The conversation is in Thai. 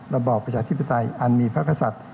ระบอบประชาธิปไตยอันมีพระกษัตริย์